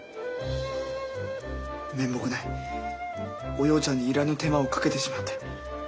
おようちゃんにいらぬ手間をかけてしまって。